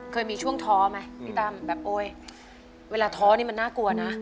เคยมีช่วงท้อไหมพี่ตั้มแบบโอ๊ยเวลาท้อนี่มันน่ากลัวนะ